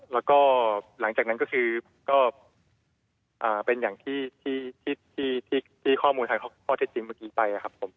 แล้วก็หลังจากนั้นก็คือก็เป็นอย่างที่ข้อมูลทางข้อเท็จจริงเมื่อกี้ไปครับผม